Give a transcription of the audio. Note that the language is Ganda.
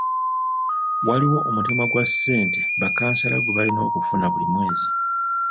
Waliwo omutemwa gwa ssente ba kansala gwe balina okufuna buli mwezi.